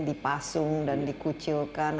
dipasung dan dikucilkan